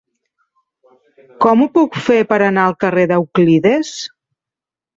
Com ho puc fer per anar al carrer d'Euclides?